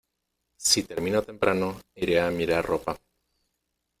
Si termino temprano, iré a mirar ropa.